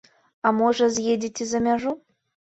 А можа, з'едзеце за мяжу?